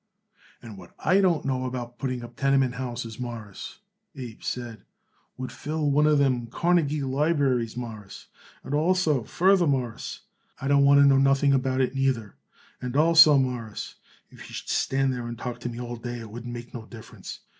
"And what I don't know about putting up tenement houses, Mawruss," Abe said, "would fill one of them Carnegie Libraries, Mawruss; and also, furthermore, Mawruss, I don't want to know nothing about it, neither. And also, Mawruss, if you should stand there and talk to me all day it wouldn't make no difference.